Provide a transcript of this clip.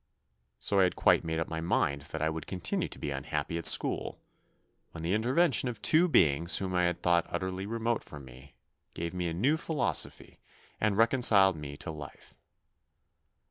So I had quite made up my mind that I would continue to be unhappy at school, when the intervention of two beings whom I had thought utterly remote from me, gave me a new philosophy and reconciled me to life.